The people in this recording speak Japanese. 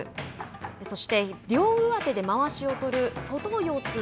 そして、両上手でまわしを取る外四つ。